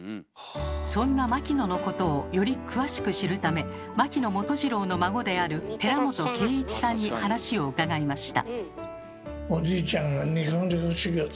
そんな牧野のことをより詳しく知るため牧野元次郎の孫である寺本圭一さんに話を伺いました。